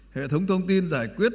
hệ thống thông tin giải quyết